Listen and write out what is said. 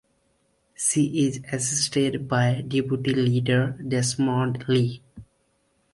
She is assisted by Deputy Leader Desmond Lee.